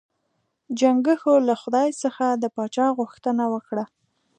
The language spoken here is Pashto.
چنګښو له خدای څخه د پاچا غوښتنه وکړه.